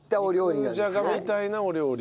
肉じゃがみたいなお料理。